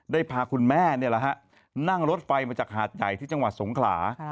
พาคุณแม่นั่งรถไฟมาจากหาดใหญ่ที่จังหวัดสงขลา